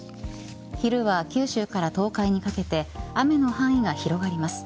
昼は九州から東海にかけて雨の範囲が広がります。